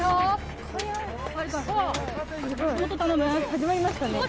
始まりましたね。